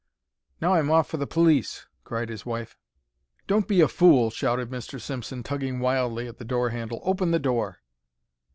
"Now I'm off for the police," cried his wife. "Don't be a fool," shouted Mr. Simpson, tugging wildly at the door handle. "Open the door."